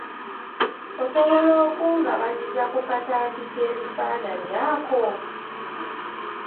Osobola okungabanyiza ku katambi k'ebifaananyi ako?